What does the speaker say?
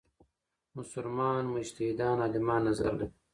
مسلمان مجتهدان عالمان نظر لري.